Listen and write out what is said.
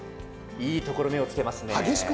いいところに目をつけますね。